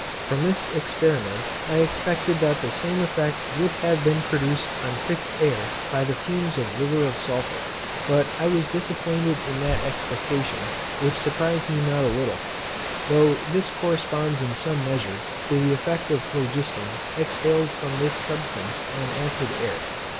From this experiment I expected that the same effect would have been produced on fixed air by the fumes of liver of sulphur; but I was disappointed in that expectation, which surprised me not a little; though this corresponds in some measure, to the effect of phlogiston exhaled from this substance on acid air.